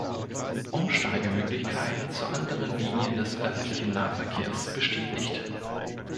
Umsteigemöglichkeiten zu anderen Linien des öffentlichen Nahverkehrs bestehen nicht.